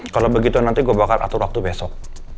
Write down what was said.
kalau begitu nanti gue bakal atur waktu besok